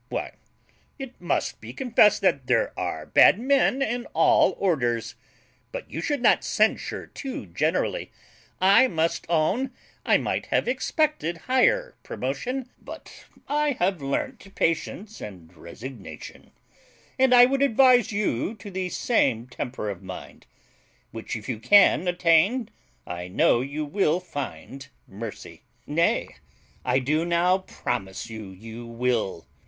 Why, it must be confessed that there are bad men in all orders; but you should not censure too generally. I must own I might have expected higher promotion; but I have learnt patience and resignation; and I would advise you to the same temper of mind; which if you can attain, I know you will find mercy. Nay, I do now promise you you will.